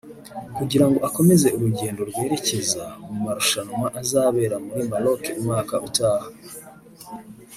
kugira ngo akomeze urugendo rwerekeza mu marushanwa azabera muri Maroke umwaka utaha